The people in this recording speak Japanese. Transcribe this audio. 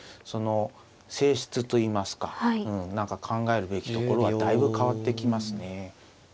その性質といいますか何か考えるべきところはだいぶ変わってきますね。